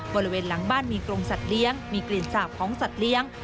บริเวณหลังบ้านมีกรงสัตว์เลี้ยงมีกลิ่นสาบของสัตว์เลี้ยง